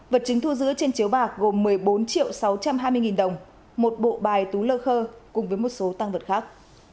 vật chứng thu giữ trên chiếu bạc gồm một mươi bốn triệu sáu trăm hai mươi nghìn đồng một bộ bài tú lơ khơ cùng với một số tăng vật khác